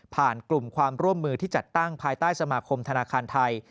กลุ่มความร่วมมือที่จัดตั้งภายใต้สมาคมธนาคารไทย